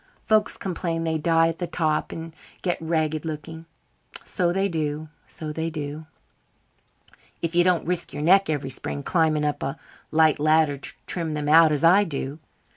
Folks complain they die at the top and get ragged looking. So they do so they do, if you don't risk your neck every spring climbing up a light ladder to trim them out as I do.